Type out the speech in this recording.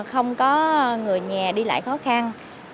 không có người nhà đi lại khó khăn